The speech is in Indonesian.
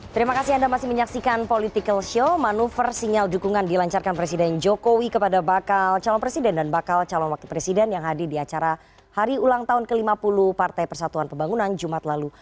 terima kasih anda masih menyaksikan political show manuver sinyal dukungan dilancarkan presiden jokowi kepada bakal calon presiden dan bakal calon wakil presiden yang hadir di acara hari ulang tahun ke lima puluh partai persatuan pembangunan jumat lalu